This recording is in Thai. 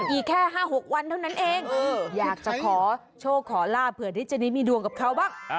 อีกแค่๕๖วันเท่านั้นเองอยากจะขอโชคขอลาบเผื่อที่จะได้มีดวงกับเขาบ้าง